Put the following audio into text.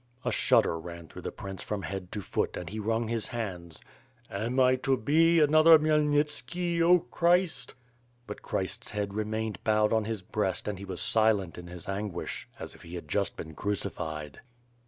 A shudder ran through the prince from head to foot and he wrung his hands. "Am I to be another Khmyelnitski, 0 Christ?" But Christ's head remained bowed on his breast and he was silent in his anguish, as if he had just been crucified.